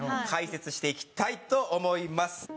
解説していきたいと思います。